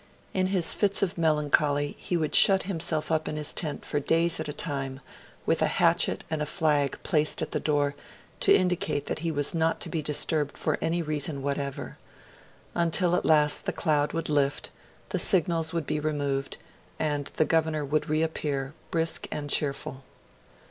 In his fits of melancholy, he would shut himself up in his tent for days at a time, with a hatchet and a flag placed at the door to indicate that he was not to be disturbed for any reason whatever; until at last the cloud would lift, the signals would be removed, and the Governor would reappear, brisk and cheerful.